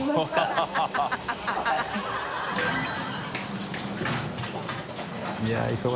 ハハハ